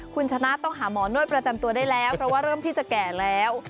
คุณชนะต้องหาหมอนวดประจำตัวได้แล้วเพราะว่าเริ่มที่จะแก่แล้ว